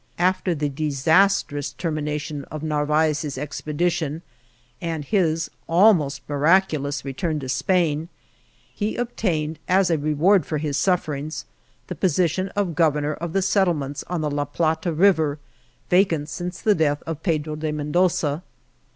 After the disastrous termination of Narvaez's expedition and his (almost mirac ulous) return to Spain, he obtained as a re ward for his sufferings the position of Gov ernor of the settlements on the La Plata river, vacant since the death of Pedro de Mendoza.